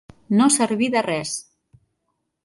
No servir de res.